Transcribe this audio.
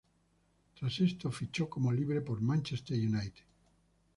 Tras esto fichó como libre por Manchester United.